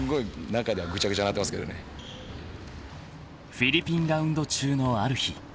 ［フィリピンラウンド中のある日］